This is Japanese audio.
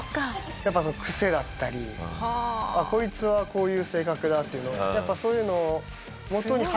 やっぱクセだったりこいつはこういう性格だっていうのを。